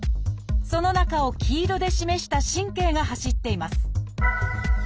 その中を黄色で示した神経が走っています。